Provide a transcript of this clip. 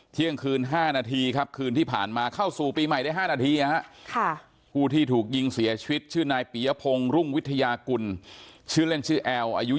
เที่ยงคืน๕นาทีครับคืนที่ผ่านมาเข้าสู่ปีใหม่ได้๕นาทีนะฮะ